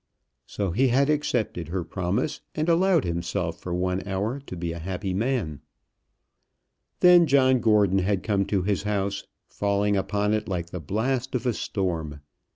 So he had accepted her promise, and allowed himself for one hour to be a happy man. Then John Gordon had come to his house, falling upon it like the blast of a storm.